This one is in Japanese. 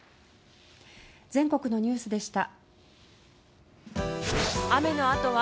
全国のニュースでした。